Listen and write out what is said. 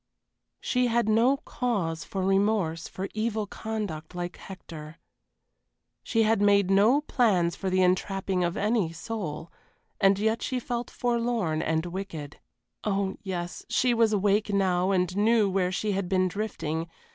She had no cause for remorse for evil conduct like Hector. She had made no plans for the entrapping of any soul, and yet she felt forlorn and wicked. Oh yes, she was awake now and knew where she had been drifting.